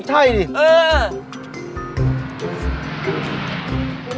ใช่ดิเออ